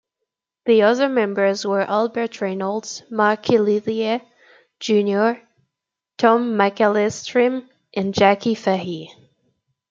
The other members were Albert Reynolds, Mark Killilea, Jnr, Tom McEllistrim and Jackie Fahey.